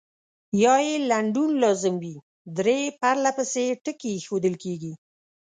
یا یې لنډون لازم وي درې پرلپسې ټکي اېښودل کیږي.